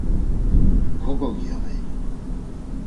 Kogogiyoney.